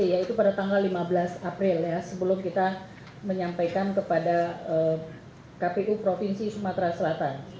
yaitu pada tanggal lima belas april ya sebelum kita menyampaikan kepada kpu provinsi sumatera selatan